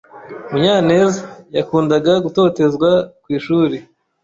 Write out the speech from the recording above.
Munyanez yakundaga gutotezwa ku ishuri.